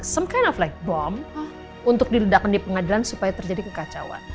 sesuatu seperti bom untuk diledakkan di pengadilan supaya terjadi kekacauan